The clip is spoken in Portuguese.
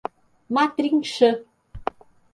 Matrinchã